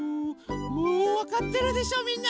もうわかってるでしょみんな。